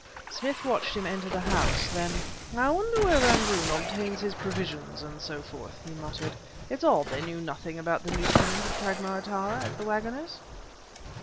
Smith watched him enter the house. Then: "I wonder where Van Roon obtains his provisions and so forth," he muttered. "It's odd they knew nothing about the new tenant of Cragmire Tower at 'The Wagoners.